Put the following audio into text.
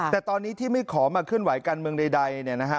แต่ตอนนี้ที่ไม่ขอมาเคลื่อนไหวการเมืองใด